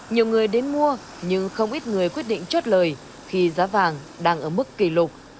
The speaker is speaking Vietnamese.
nhiều người đến mua nhưng không ít người quyết định chốt lời khi giá vàng đang ở mức kỷ lục